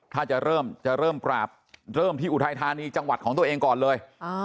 ถ้าจะเริ่มจะเริ่มปราบเริ่มที่อุทัยธานีจังหวัดของตัวเองก่อนเลย